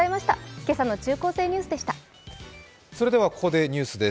ここでニュースです。